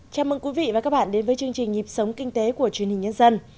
chào mừng quý vị và các bạn đến với chương trình nhịp sống kinh tế của truyền hình nhân dân